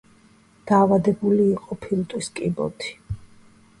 დაავადებული იყო ფილტვის კიბოთი.